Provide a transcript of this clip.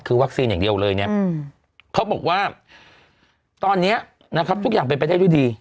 คือวัคซีนอย่างเดียวเลยเขาบอกว่าตอนนี้นะครับทุกอย่างเป็นประเทศดี